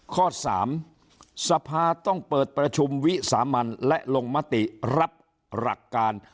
ข้อ๓สภาต้องเปิดประชุมวิสามันและลงมติรับหลักการ